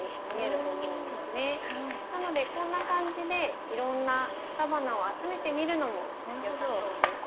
なのでこんな感じでいろんな草花を集めてみるのもよさそうです。